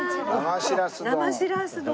生しらす丼。